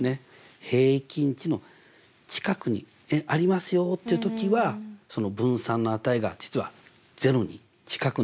平均値の近くにありますよっていう時はその分散の値が実は０に近く